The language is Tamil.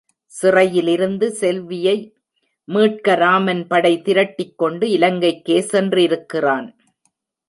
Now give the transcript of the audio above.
சிறையிலிருந்து செல்வியை மீட்க ராமன்படை திரட்டிக் கொண்டு இலங்கைக்கே சென்றிருக்கிறான்.